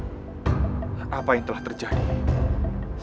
siapa yang sudah melakukan ini